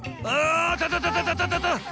［あーたたたたたたたた！］